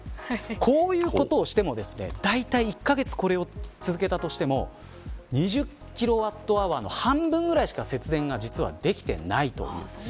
こういうことをしてもだいたい１カ月これを続けたとしても２０ｋｗｈの半分ぐらいしか節電が実はできてないんです。